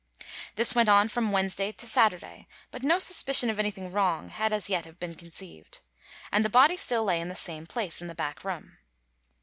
This went on from Wednesday to Saturday; but no suspicion of anything wrong had as yet been conceived, and the body still lay in the same place in the back room.